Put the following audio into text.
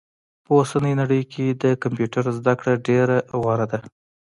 په اوسني نړئ کي د کمپيوټر زده کړه ډيره غوره ده